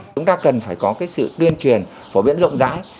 chúng ta cần phải có cái sự tuyên truyền phổ biến rộng rãi